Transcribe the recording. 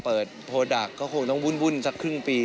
เปิดโปรดักต์ก็คงต้องวุ่นสักครึ่งปี